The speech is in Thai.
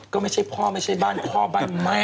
ก็ไม่ใช่พ่อไม่ใช่บ้านพ่อบ้านแม่